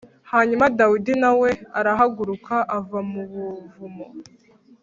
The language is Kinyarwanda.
Hanyuma Dawidi na we arahaguruka ava mu buvumo